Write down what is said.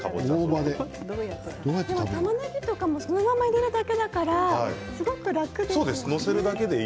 たまねぎとかもそのまま入れるだけだからすごく楽ですね。